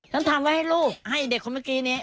ฉันทำไว้ให้ลูกให้เด็กคนเมื่อกี้นี้